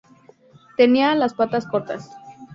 Tenía las patas cortas.